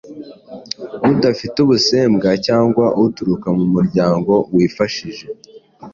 udafite ubusembwa cyangwa uturuka mu muryango wifashije.